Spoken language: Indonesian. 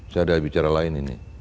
saya ada bicara lain ini